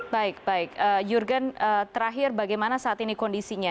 baik baik jurgen terakhir bagaimana saat ini kondisinya